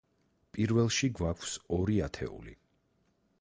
პირველში გვაქვს ორი ათეული.